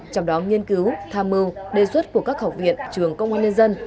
trong đó nghiên cứu tham mưu đề xuất của các học viện trường công an nhân dân